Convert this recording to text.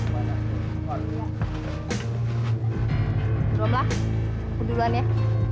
berom lah aku duluan ya